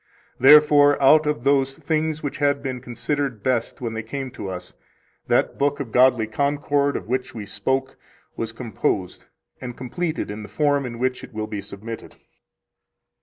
Therefore, out of those things which had been considered best when they came to us, that book of godly concord of which we spoke was composed, and completed in the form in which it will be submitted.